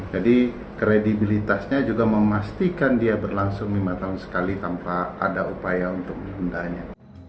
jadi kredibilitasnya juga memastikan dia berlangsung lima tahun sekali tanpa ada upaya untuk mengundahnya